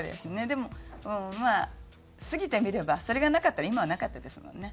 でもまあ過ぎてみればそれがなかったら今はなかったですもんね。